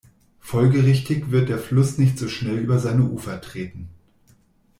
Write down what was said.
Folgerichtig wird der Fluss nicht so schnell über seine Ufer treten.